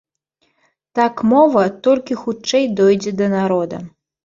Так мова толькі хутчэй дойдзе да народа.